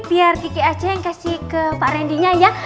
biar kiki aja yang kasih ke pak randy nya ya